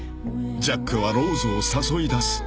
［ジャックはローズを誘い出す］